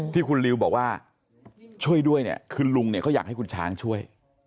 ที่คุณลิวบอกว่าช่วยด้วยเนี่ยคือลุงเนี่ยเขาอยากให้คุณช้างช่วย